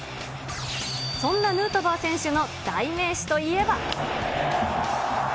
そんなヌートバー選手の代名詞といえば。